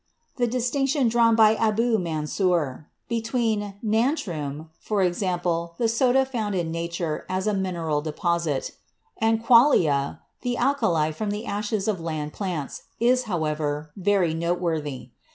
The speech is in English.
The distinction drawn by Abu Mansur 54 CHEMISTRY between 'Natrun' — i.e., the soda found in Nature as a mineral deposit — and 'Qualia,' the alkali from the ashes of land plants, is, however, very noteworthy.